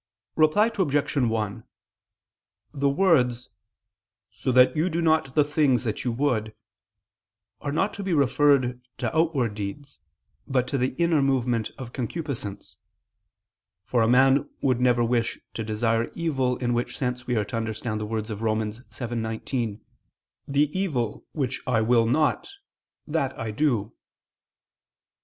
Reply Obj. 1: The words, "So that you do not the things that you would" are not to be referred to outward deeds, but to the inner movement of concupiscence; for a man would wish never to desire evil, in which sense we are to understand the words of Rom. 7:19: "The evil which I will not, that I do."